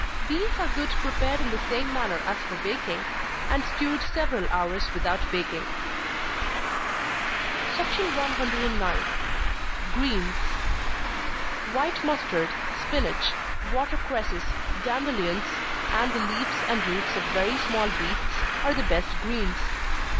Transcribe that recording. Beans are good prepared in the same manner as for baking, and stewed several hours without baking. 109. Greens. White mustard, spinach, water cresses, dandelions, and the leaves and roots of very small beets, are the best greens.